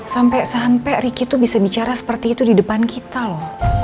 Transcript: sampai sampai ricky tuh bisa bicara seperti itu di depan kita loh